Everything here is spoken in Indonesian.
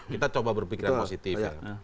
kita coba berpikiran positif